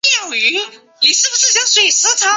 后梁末帝朱友贞的妃子。